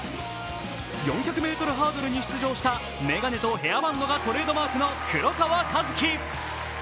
４００ｍハードルに出場した眼鏡とヘアバンドがトレードマークの黒川和樹。